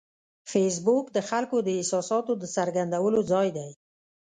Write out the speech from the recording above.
فېسبوک د خلکو د احساساتو د څرګندولو ځای دی